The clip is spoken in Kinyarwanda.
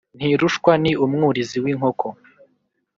Ntirushwa ni umwurizi w’inkoko